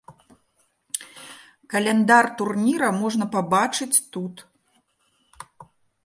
Каляндар турніра можна пабачыць тут.